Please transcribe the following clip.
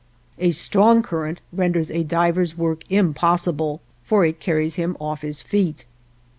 A strong current renders a diver's work impossible, for it carries him off his feet.